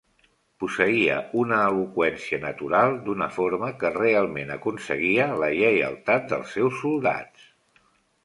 "Posseïa una eloqüència natural d'una forma que realment aconseguia la lleialtat del seus soldats."